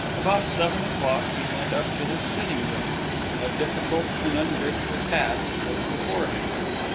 About seven o'clock he went up to his sitting room. A difficult and ungrateful task was before him.